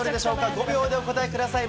５秒でお答えください。